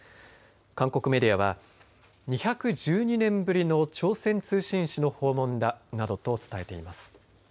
韓国メディアは２１２年ぶりの朝鮮通信使の訪問だなどと伝えています。